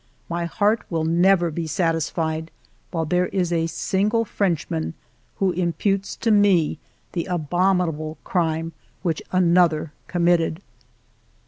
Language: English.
My heart will never be satisfied while there is a single Frenchman who imputes to me the abominable crime which another committed."